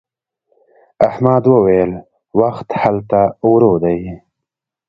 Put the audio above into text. احمد وويل: وخت هلته ورو دی.